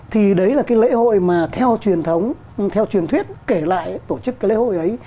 thì đấy là cái lễ hội mà theo truyền thống theo truyền thuyết kể lại tổ chức cái lễ hội ấy